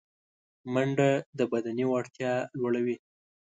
منډه د بدني وړتیا لوړوي